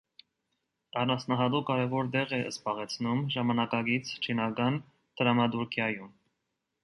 Առանձնահատուկ կարևոր տեղ է զբաղեցնում ժամանակակից չինական դրամատուրգիայում։